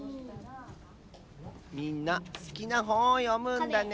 みんなすきなほんをよむんだね。